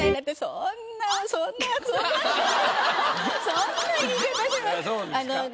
そんな言い方してない。